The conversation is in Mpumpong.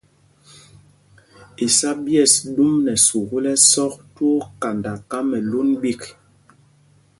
Isá ɓyɛ̂ɛs ɗum nɛ sukûl ɛsɔk twóó kanda Kamɛlûn ɓîk.